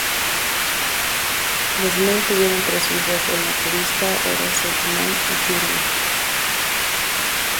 Los Mann tuvieron tres hijos: el naturalista Horace Mann Jr.